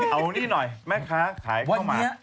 เอานี่หน่อยแม่ค้าขายข้าวหมาก